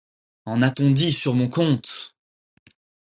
En a-t-on dit sur mon compte!